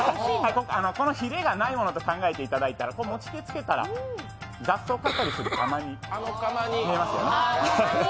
このヒレがないものと考えていただいたら、持ち手をつけたら雑草刈ったりするカマに見えますよね。